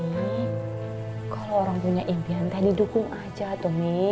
nih kalo orang punya impian teh didukung aja tuh nih